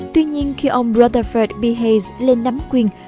tuy nhiên khi ông rutherford b hayes lên nắm quyền